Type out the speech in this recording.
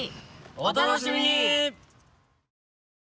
お楽しみに！